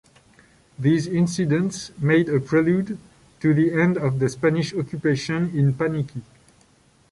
These incidents made a prelude to the end of the Spanish occupation in Paniqui.